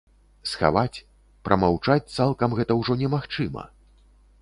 Схаваць, прамаўчаць цалкам гэта ўжо немагчыма.